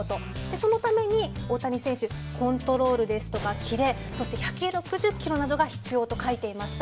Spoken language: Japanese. そのために大谷選手コントロールですとかキレそして１６０キロなどが必要と書いていました。